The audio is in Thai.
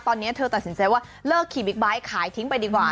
ตอนนี้เธอตัดสินใจว่าเลิกขี่บิ๊กไบท์ขายทิ้งไปดีกว่า